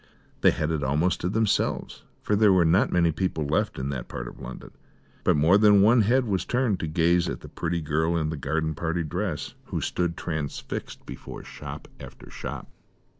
They had it almost to themselves, for there were not many people left in that part of London; but more than one head was turned to gaze at the pretty girl in the garden party dress, who stood transfixed before shop after shop.